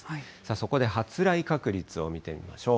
そこで発雷確率を見てみましょう。